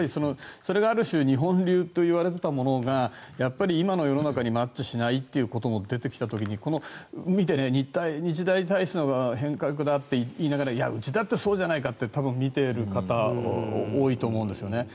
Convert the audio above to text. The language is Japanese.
それがある種日本流といわれていたものが今の世の中にマッチしないということが出てきた時に日大体質の変革だって言いながらいや、うちだってそうじゃないかって多分、見ている方は多いと思うんですよね。